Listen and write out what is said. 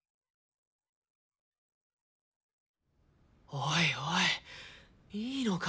おいおいいいのか？